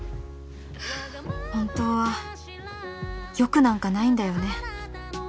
本当はよくなんかないんだよね